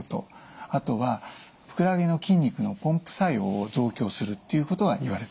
あとはふくらはぎの筋肉のポンプ作用を増強するっていうことがいわれています。